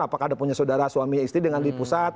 apakah ada punya saudara suami istri dengan di pusat